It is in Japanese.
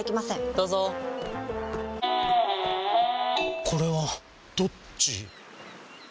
どうぞこれはどっち？